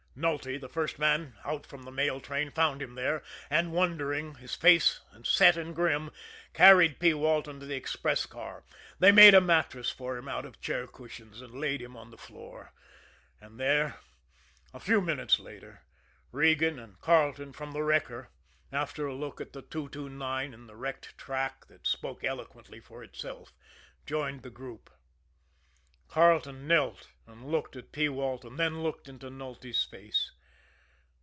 Nulty, the first man out from the mail train, found him there, and, wondering, his face set and grim, carried P. Walton to the express car. They made a mattress for him out of chair cushions, and laid him on the floor and there, a few minutes later, Regan and Carleton, from the wrecker, after a look at the 229 and the wrecked track that spoke eloquently for itself, joined the group. Carleton knelt and looked at P. Walton then looked into Nulty's face.